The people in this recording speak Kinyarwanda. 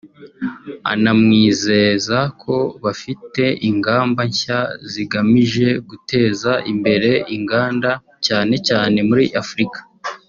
anamwizeza ko bafite ingamba nshya zigamije guteza imbere inganda cyane cyane muri Afurika